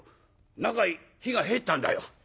中に火が入ったんだよ。